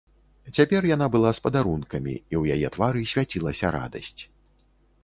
Цяпер яна была з падарункамі, і ў яе твары свяцілася радасць.